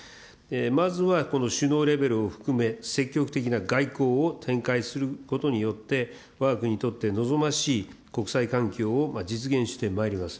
まずは、この首脳レベルを含め、積極的な外交を展開することによって、わが国にとって望ましい国際環境を実現してまいります。